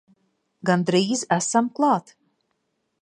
Gandrīz esam klāt!